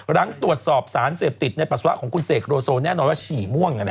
หลังตรวจสอบสารเสพติดในปัสสาวะของคุณเสกโลโซแน่นอนว่าฉี่ม่วง